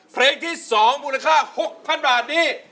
เพลงที่๒มูลค่า๖๐๐๐บาทนี้